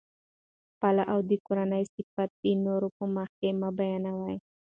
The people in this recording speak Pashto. خپل او د کورنۍ صفت دي د نورو په مخکي مه بیانوئ!